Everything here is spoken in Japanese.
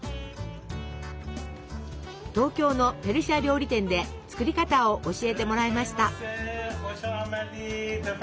東京のペルシャ料理店で作り方を教えてもらいました。